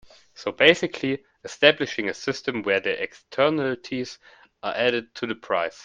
So basically establishing a system where the externalities are added to the price.